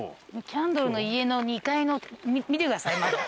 キャンドルの家の２階の見てください。